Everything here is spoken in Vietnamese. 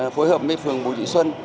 phối hợp với phường bùi thị xuân